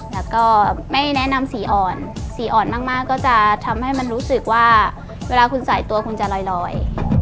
แล้วก็ไม่แนะนำสีอ่อนสีอ่อนมากก็จะทำให้มันรู้สึกว่าเวลาคุณใส่ตัวคุณจะลอย